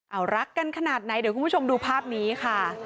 เอารักกันขนาดไหนเดี๋ยวคุณผู้ชมดูภาพนี้ค่ะ